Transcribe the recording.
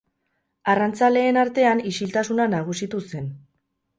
Arrantzaleen artean ixiltasuna nagusitu zen.